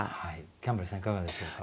キャンベルさんいかがでしょうか？